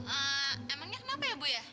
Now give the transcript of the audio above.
emangnya kenapa ya bu ya